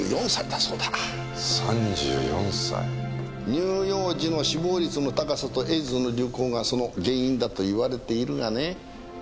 乳幼児の死亡率の高さとエイズの流行がその原因だと言われているがね。